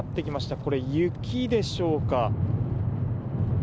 これは雪でしょうか？